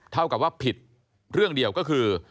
เท่ากับว่าผิดเรื่องเดียวก็คือ